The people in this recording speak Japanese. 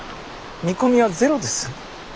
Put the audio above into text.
見込みはゼロです。